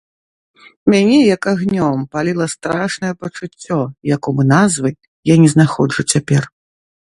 Мяне, як агнём, паліла страшнае пачуццё, якому назвы я не знаходжу цяпер.